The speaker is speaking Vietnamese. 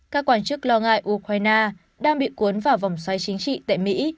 các quan chức lo ngại ukraine đang bị cuốn vào vòng xoáy chính trị tại mỹ